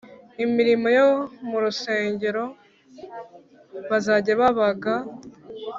imirimo yo mu rusengero bazajya babaga